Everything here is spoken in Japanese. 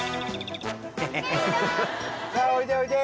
ヘヘヘさあおいでおいで。